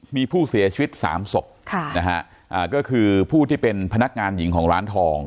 มีผู้เสียชีวิตสามศพค่ะนะฮะก็คือผู้ที่เป็นพนักงานหญิงของร้านทอง